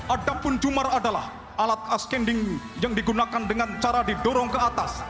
adapun jumar adalah alat askending yang digunakan dengan cara didorong ke atas